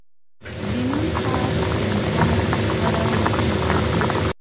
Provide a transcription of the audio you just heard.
د "ن" حرف په لیکنه کې کارول کیږي.